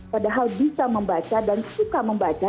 padahal bisa membaca dan suka membaca